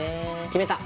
決めた！